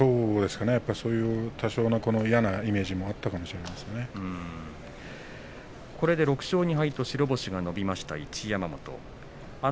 多少、嫌なイメージがあったかもこれで６勝２敗と白星が伸びました、一山本。